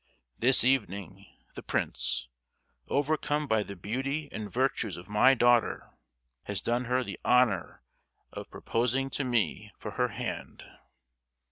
——This evening, the prince, overcome by the beauty and virtues of my daughter, has done her the honour of proposing to me for her hand.